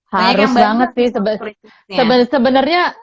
harus banget sih sebenarnya sebenarnya